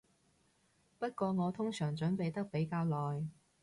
不過我通常準備得比較耐